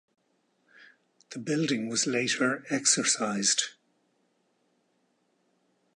The building was later exorcised.